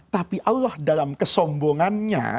tapi allah dalam kesombongannya